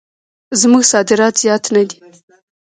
زموږ صادرات زیات نه دي.